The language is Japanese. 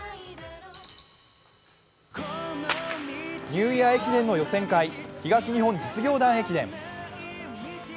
ニューイヤー駅伝の予選会東日本実業団駅伝。